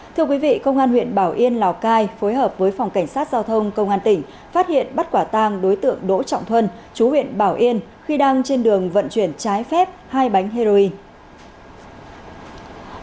thưa quý vị công an huyện bảo yên lào cai phối hợp với phòng cảnh sát giao thông công an tỉnh phát hiện bắt quả tang đối tượng đỗ trọng thuân chú huyện bảo yên khi đang trên đường vận chuyển trái phép hai bánh heroin